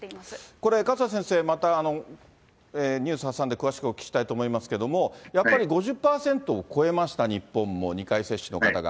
これ勝田先生、またニュース挟んで詳しくお聞きしたいと思いますけども、やっぱり５０％を超えました、日本も、２回接種の方が。